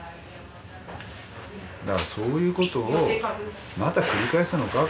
だからそういうことをまた繰り返すのか。